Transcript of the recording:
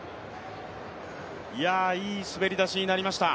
いい滑り出しになりました。